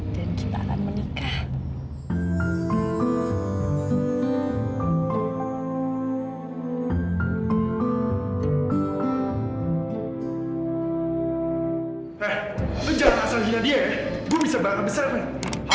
dan kita akan menikah